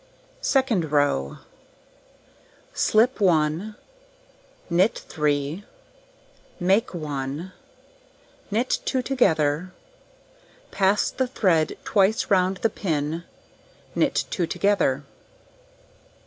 Second row: Slip 1, knit 3, make 1, knit 2 together, pass the thread twice round the pin, knit 2 together.